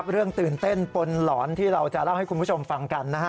ตื่นเต้นปนหลอนที่เราจะเล่าให้คุณผู้ชมฟังกันนะฮะ